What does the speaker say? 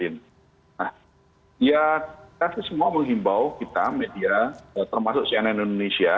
nah ya kita sih semua menghimbau kita media termasuk cnn indonesia